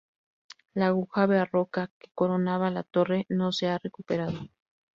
La aguja barroca que coronaba la torre, no se ha recuperado.